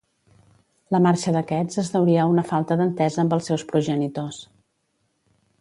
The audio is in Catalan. La marxa d'aquests es deuria a una falta d'entesa amb els seus progenitors.